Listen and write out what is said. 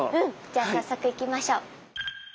じゃあ早速行きましょう。